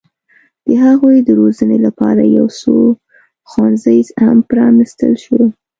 د هغوی د روزنې لپاره یو څو ښوونځي هم پرانستل شول.